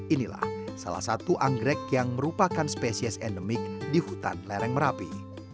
inilah salah satu anggrek yang merupakan spesies endemik di hutan lereng merapi